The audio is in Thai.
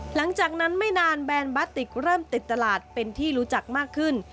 หลังจากนั้นไม่นานแบรนด์บาติกเริ่มติดตลาดเป็นที่รู้จักมากขึ้น